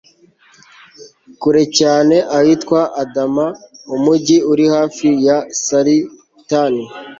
kure cyane ahitwa adama, umugi uri hafi ya saritani